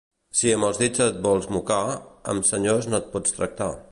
Si amb els dits et vols mocar, amb senyors no et pots tractar.